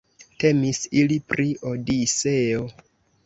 Temis ili pri Odiseo.